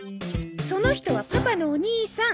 その人はパパのお兄さん。